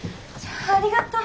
ありがとう。